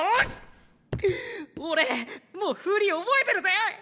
俺もう振り覚えてるぜ。